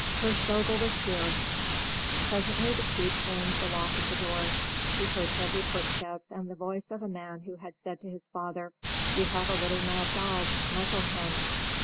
Hirschvogel was here. Presently the key turned in the lock of the door; he heard heavy footsteps and the voice of the man who had said to his father, "You have a little mad dog; muzzle him!"